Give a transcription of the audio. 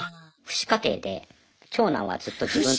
父子家庭で長男はずっと自分。